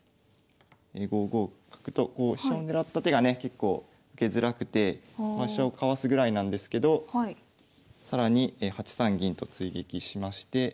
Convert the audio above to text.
５五角と飛車を狙った手がね結構受けづらくてまあ飛車をかわすぐらいなんですけど更に８三銀と追撃しまして。